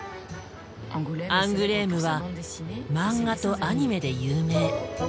アングレームはマンガとアニメで有名。